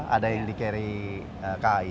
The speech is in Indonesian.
ada yang di kri kai